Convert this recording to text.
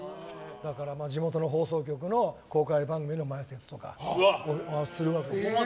地元の放送局の公開番組の前説とかするわけです。